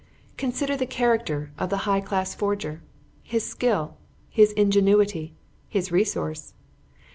Consider the character of the high class forger his skill, his ingenuity, his resource.